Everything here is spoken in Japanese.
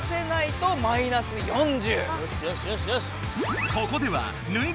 よしよしよしよし！